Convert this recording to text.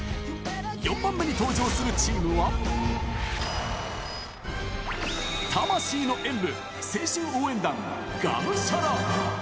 ４番目に登場するチームは、魂の演舞、青春応援団我無沙羅。